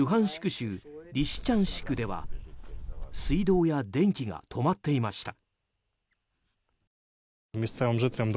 州リシチャンシクでは水道や電気が止まっていました。